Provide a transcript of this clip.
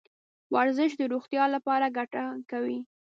ورزش د روغتیا لپاره ګټه کوي .